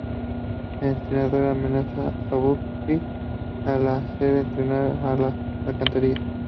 El entrenador amenaza a Buffy y la hace entrar a las alcantarillas.